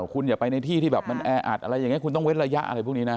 คุณอย่าไปในที่ที่แบบมันแออัดอะไรอย่างนี้คุณต้องเว้นระยะอะไรพวกนี้นะ